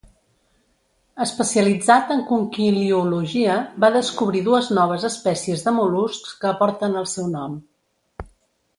Especialitzat en conquiliologia, va descobrir dues noves espècies de mol·luscs, que porten el seu nom.